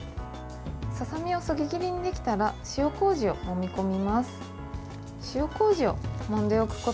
ささみをそぎ切りにできたら塩こうじをもみ込みます。